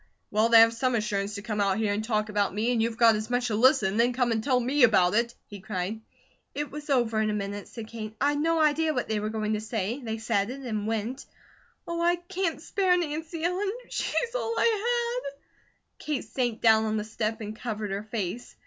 "Well, they have some assurance to come out here and talk about me, and you've got as much to listen, and then come and tell me about it," he cried. "It was over in a minute," said Kate. "I'd no idea what they were going to say. They said it, and went. Oh, I can't spare Nancy Ellen, she's all I had!" Kate sank down on the step and covered her face.